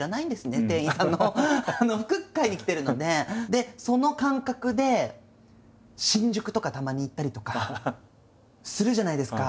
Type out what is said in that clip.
でその感覚で新宿とかたまに行ったりとかするじゃないですか。